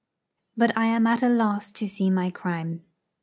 But I am at a loss to see my crime.